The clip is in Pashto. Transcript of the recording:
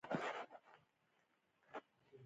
چارواکې پدې ډاډه ندي